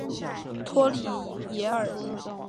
托里耶尔。